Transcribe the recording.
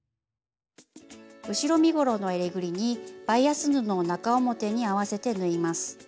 後ろ身ごろのえりぐりにバイアス布を中表に合わせて縫います。